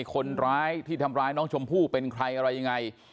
คนร้ายที่ทำร้ายน้องชมพู่เป็นใครอะไรยังไง